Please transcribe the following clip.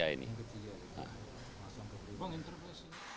yang ketiga ini